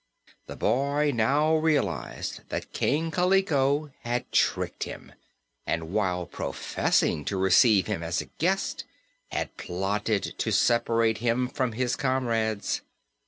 The boy now realized that King Kaliko had tricked him, and while professing to receive him as a guest had plotted to separate him from his comrades.